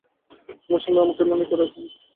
তোমার সামনে আমাকে এমনি করে অপমান করে?